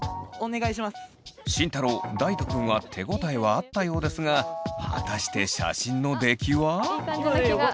慎太郎大翔くんは手応えはあったようですが果たして写真の出来は？いい感じな気が。